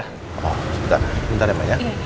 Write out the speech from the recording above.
oh sebentar ya pak